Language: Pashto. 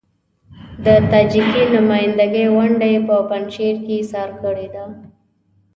د تاجکي نمايندګۍ ونډه يې په پنجشیر کې اېسار کړې ده.